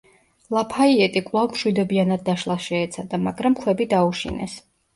ლაფაიეტი კვლავ მშვიდობიანად დაშლას შეეცადა, მაგრამ ქვები დაუშინეს.